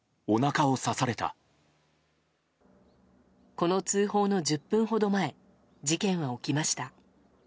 この通報の１０分ほど前事件が起きました。